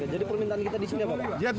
jadi permintaan kita disini apa pak